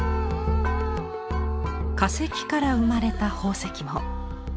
化石から生まれた宝石も。